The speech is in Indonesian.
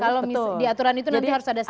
kalau di aturan itu nanti harus ada sanksi